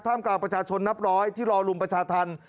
กลางประชาชนนับร้อยที่รอรุมประชาธรรม